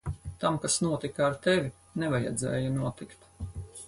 Tam, kas notika ar tevi, nevajadzēja notikt.